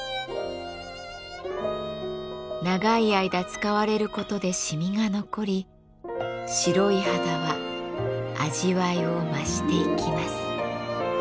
長い間使われる事で染みが残り白い肌は味わいを増していきます。